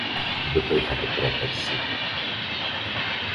Δεν το είχατε πρόπερσι.